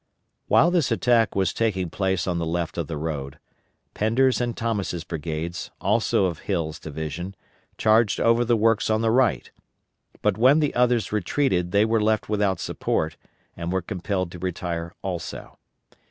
While this attack was taking place on the left of the road, Pender's and Thomas' brigades, also of Hill's division, charged over the works on the right; but when the others retreated they were left without support and were compelled to retire also.